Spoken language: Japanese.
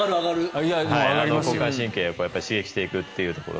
交感神経を刺激していくというところ。